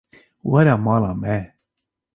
Were mala me.